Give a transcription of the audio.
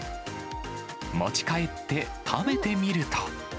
持ち帰って食べてみると。